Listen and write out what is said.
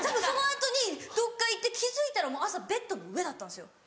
その後にどっか行って気付いたらもう朝ベッドの上だったんですよ。